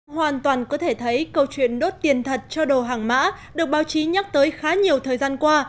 hoàn toàn có thể thấy câu chuyện đốt tiền thật cho đồ hàng mã được báo chí nhắc tới khá nhiều thời gian qua